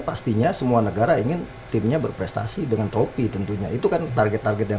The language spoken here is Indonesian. pastinya semua negara ingin timnya berprestasi dengan tropi tentunya itu kan target target yang